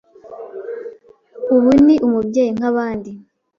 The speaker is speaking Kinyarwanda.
ubu ni umubyeyi nk’abandi.